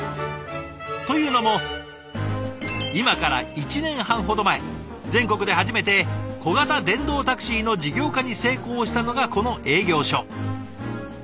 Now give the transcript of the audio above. というのも今から１年半ほど前全国で初めて小型電動タクシーの事業化に成功したのがこの営業所。